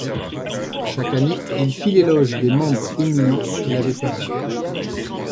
Chaque année, il fit l’Éloge des membres éminents qu’elle avait perdus.